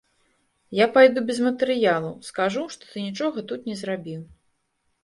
Я пайду без матэрыялаў, скажу, што ты нічога тут не зрабіў.